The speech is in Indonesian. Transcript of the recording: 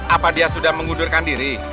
apa dia sudah mengundurkan diri